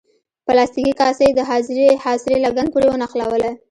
پلاستیکي کاسه یې د خاصرې لګن پورې ونښلوله.